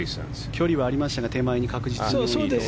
距離はありましたが手前に確実に。